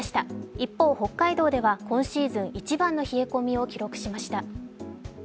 一方、北海道では今シーズン一番の冷え込みを記録しました。